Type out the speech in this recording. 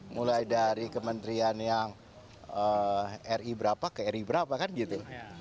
mulai dari kementerian yang ri berapa ke ri berapa kan gitu